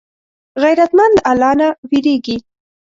غیرتمند له الله نه وېرېږي